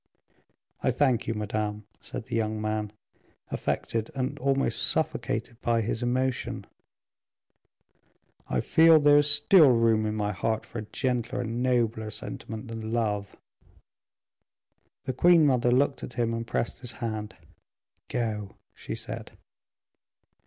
"I thank you, madame," said the young man affected and almost suffocated by his emotion; "I feel there is still room in my heart for a gentler and nobler sentiment than love." The queen mother looked at him and pressed his hand. "Go," she said.